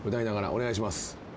お願いします。